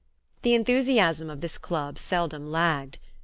The enthusiasm of this club seldom lagged.